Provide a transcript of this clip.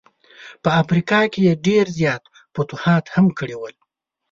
په افریقا کي یې ډېر زیات فتوحات هم کړي ول.